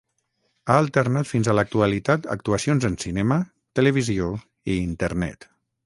Ha alternat fins a l'actualitat actuacions en cinema, televisió i internet.